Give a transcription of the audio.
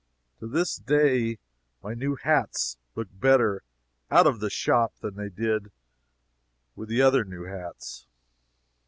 To this day my new hats look better out of the shop than they did in it with other new hats.